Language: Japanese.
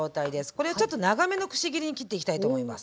これをちょっと長めのくし切りに切っていきたいと思います。